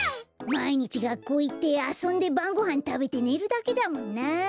まいにちがっこういってあそんでばんごはんたべてねるだけだもんなあ。